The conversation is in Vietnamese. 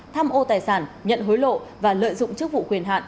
tham ô tài sản nhận hối lộ và lợi dụng chức vụ quyền hạn